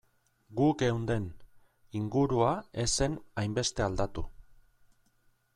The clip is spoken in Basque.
Gu geunden, ingurua ez zen hainbeste aldatu.